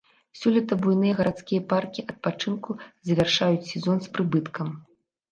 Сёлета буйныя гарадскія паркі адпачынку завяршаюць сезон з прыбыткам.